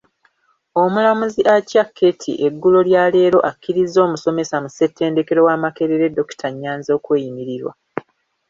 Omulamuzi Acaa Ketty eggulo lyaleero akkirizza omusomesa mu ssettendekero wa Makerere dokita Nyanzi okweyimirirwa.